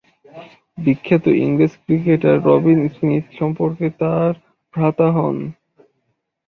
বিখ্যাত ইংরেজ cricketer Robin Smith সম্পর্কে তার ভ্রাতা হন।